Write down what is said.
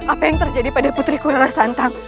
apa yang terjadi pada putriku ala santang